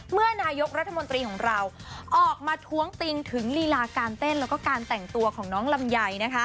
เมื่อนายกรัฐมนตรีของเราออกมาท้วงติงถึงลีลาการเต้นแล้วก็การแต่งตัวของน้องลำไย